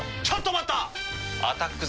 ちょっと待った！